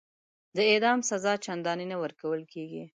د اعدام سزا چنداني نه ورکول کیږي.